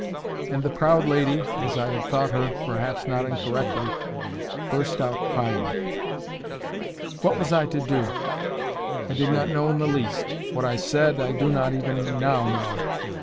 And the PROUD lady, as I had thought her, perhaps not incorrectly, burst out crying. What was I to do? I did not know in the least. What I said, I do not even now know.